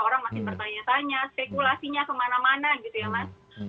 orang makin bertanya tanya spekulasinya kemana mana gitu ya mas